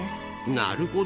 なるほど。